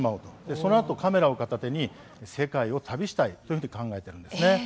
そのあとカメラを片手に、世界を旅したいと考えているんです。